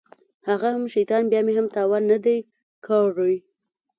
هغه هم شيطان بيا مې هم تاوان نه دى کړى.